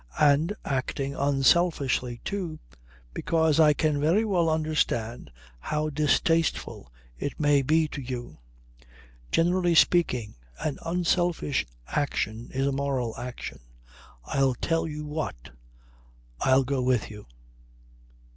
And acting unselfishly too, because I can very well understand how distasteful it may be to you. Generally speaking, an unselfish action is a moral action. I'll tell you what. I'll go with you."